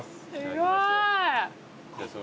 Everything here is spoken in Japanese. すごい。